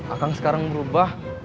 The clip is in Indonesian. akang sekarang berubah